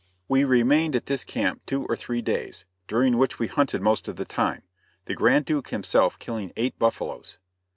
We remained at this camp two or three days, during which we hunted most of the time, the Grand Duke himself killing eight buffaloes.